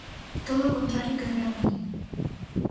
Todo o contrario que o Real Madrid.